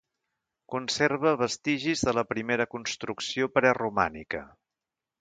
Conserva vestigis de la primera construcció preromànica.